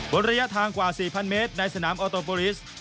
ระยะทางกว่า๔๐๐เมตรในสนามออโตโปรลิส